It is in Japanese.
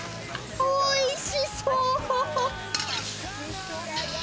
おいしそう！